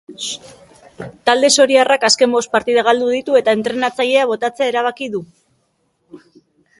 Talde soriarrak azken bost partidak galdu ditu eta entrenatzailea botatzea erabaki du.